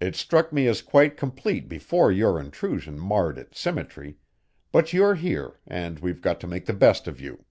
It struck me as quite complete before your intrusion marred its symmetry, but you're here and we've got to make the best of you."